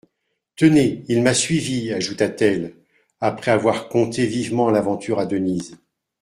Tenez ! il m'a suivie, ajouta-t-elle, après avoir conté vivement l'aventure à Denise.